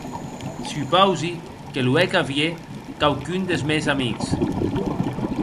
Supausi que lo hec a vier quauqu'un des mèns amics.